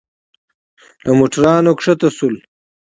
له موټرانو ښکته شولو.